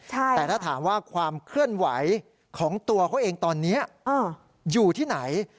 แต่ถ้าถามว่าความเคลื่อนไหวของตัวเขาเองตอนนี้อยู่ที่ไหน